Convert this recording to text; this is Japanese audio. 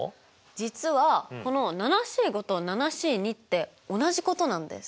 実はこのＣとＣって同じことなんです。